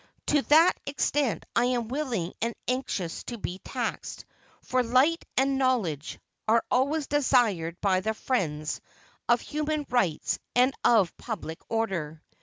To that extent I am willing and anxious to be taxed; for "light and knowledge" are always desired by the friends of human rights and of public order.